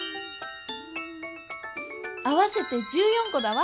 合わせて１４コだわ！